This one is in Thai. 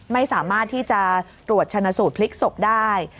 ไม่สามารถที่จะตรวจชนะสูตรพลิกศพได้